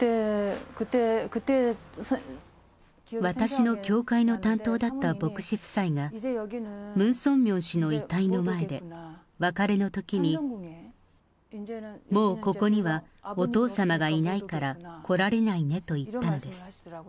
私の教会の担当だった牧師夫妻が、ムン・ソンミョン氏の遺体の前で別れのときに、もうここにはお父様がいないから来られないねと言ったのです。